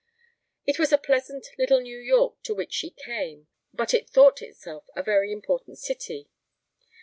It was a pleasant little New York to which she came, but it thought itself a very important city.